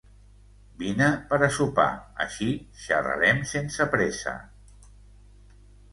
Vine per a sopar, així xarrarem sense pressa!